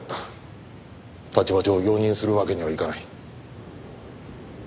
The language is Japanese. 立場上容認するわけにはいかない。